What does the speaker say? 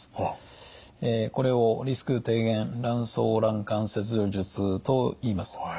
これをリスク低減卵巣卵管切除術といいます。